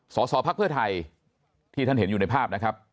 สสพไทยที่ท่านเห็นอยู่ในภาพนะครับ